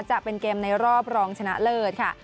จะเป็นเกมในรอบรองชนะเลิศค่ะ